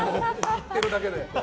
言ってるだけで。